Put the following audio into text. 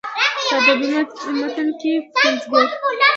په ادبي متن کې پنځګر